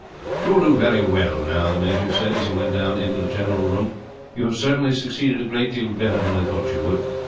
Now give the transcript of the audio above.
"You will do very well, now," the major said, as he went down into the general room. "You have certainly succeeded a great deal better than I thought you would.